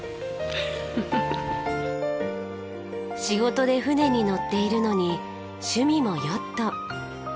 仕事で船に乗っているのに趣味もヨット。